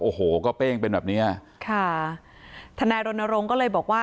โอ้โหก็เป้งเป็นแบบเนี้ยค่ะทนายรณรงค์ก็เลยบอกว่า